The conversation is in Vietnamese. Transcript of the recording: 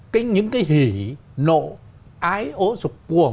cái những cái hỉ nộ ái ố rục cuồng